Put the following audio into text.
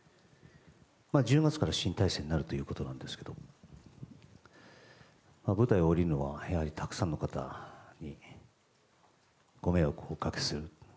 １０月から新体制になるということなんですけど舞台を降りるのはたくさんの方にご迷惑をおかけする。